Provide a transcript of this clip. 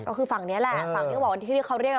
ก็คือฝั่งนี้แหละฝั่งที่เขาเรียก